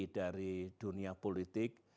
dari dunia politik